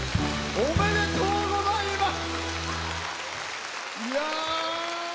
おめでとうございます。